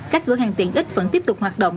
các cửa hàng tiện ích vẫn tiếp tục hoạt động